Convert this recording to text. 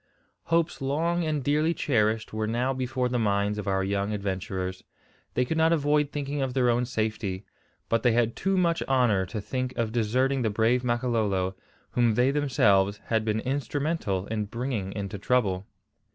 Hopes long and dearly cherished were now before the minds of our young adventurers. They could not avoid thinking of their own safety. But they had too much honour to think of deserting the brave Makololo, whom they themselves had been instrumental in bringing into trouble.